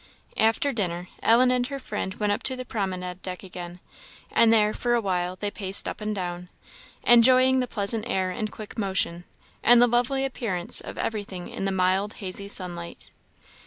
After dinner Ellen and her friend went up to the promenade deck again, and there, for a while, they paced up and down, enjoying the pleasant air and quick motion, and the lovely appearance of everything in the mild hazy sunlight.